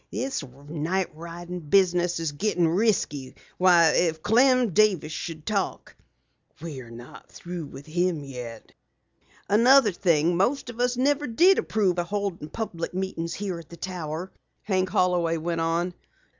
"This night riding business is getting risky. Why, if Clem Davis should talk " "We're not through with him yet." "Another thing, most of us never did approve of holding meetings here at the Tower," Hank Holloway went on.